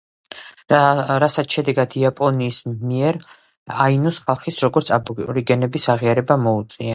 რასაც შედეგად იაპონიის მიერ აინუს ხალხის როგორც აბორიგენების აღიარება მოუწია.